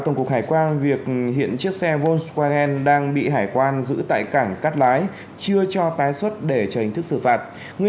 tổng cục hải quan việc hiện chiếc xe volkswagen đang bị hải quan giữ tại cảng cắt lái chưa cho tái xuất để trở hình thức xử phạt